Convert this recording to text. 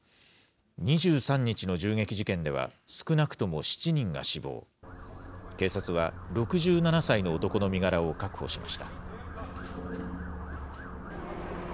２３日の銃撃事件では、少なくとも７人が死亡、警察は、６７歳の男の身柄を確保しました。